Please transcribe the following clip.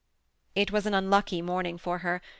It was an unlucky morning for her.